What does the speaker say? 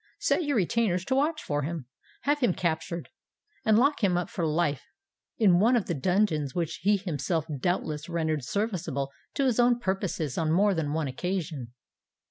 Set your retainers to watch for him—have him captured—and lock him up for life in one of the dungeons which he himself doubtless rendered serviceable to his own purposes on more than one occasion."